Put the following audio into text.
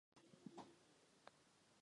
Měření délek patří mezi nejčastější.